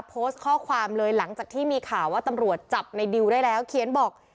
โพสต์ข้อความเลยหลังจากที่มีข่าวว่าตำรวจจับในดิวได้แล้วเขียนบอก